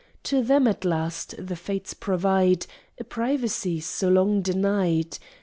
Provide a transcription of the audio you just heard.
To them, at last, the fates provide A privacy so long denied.